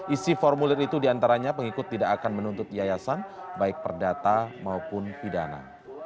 isi formulir itu diantaranya pengikut tidak akan menuntut yayasan baik perdata maupun pidana